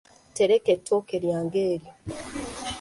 Teleka ettooke lyange eryo.